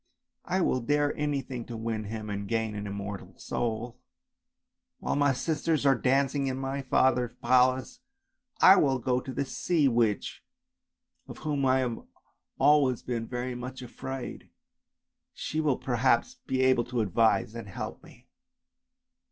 I will dare anything to win him and to gain an immortal soul! While my sisters are dancing in my father's palace, I will go to the sea witch of whom I have always been very much afraid, she will perhaps be able to advise and help me!